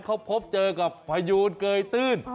เขาพบเจอกับพยูนเกยตื้น